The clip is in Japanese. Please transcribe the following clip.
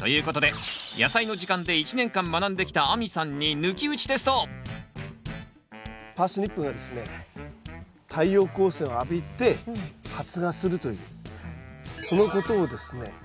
ということで「やさいの時間」で１年間学んできた亜美さんにパースニップがですね太陽光線を浴びて発芽するというそのことをですね